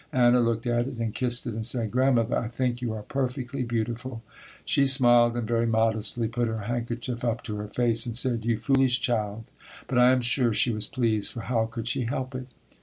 Anna looked at it and kissed it and said, "Grandmother, I think you are perfectly beautiful." She smiled and very modestly put her handkerchief up to her face and said, "You foolish child," but I am sure she was pleased, for how could she help it?